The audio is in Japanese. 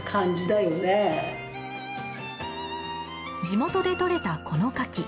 地元でとれたこのカキ